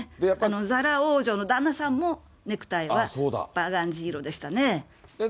ザラ王女の旦那さんも、ネクタイはバーガンディ色でしたね。